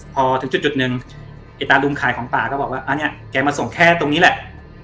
พอถึงจุดหนึ่งไอ้ตาลุงขายของป่าก็บอกว่าอันนี้แกมาส่งแค่ตรงนี้แหละ